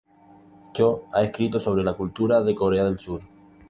Cho ha escrito sobre la cultura de Corea del Sur.